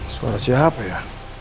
suara siapa ya